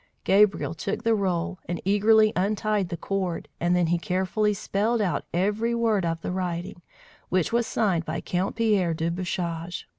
Gabriel took the roll and eagerly untied the cord, and then he carefully spelled out every word of the writing, which was signed by Count Pierre de Bouchage.